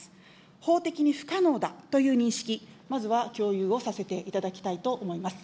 法的に不可能だという認識、まずは共有をさせていただきたいと思います。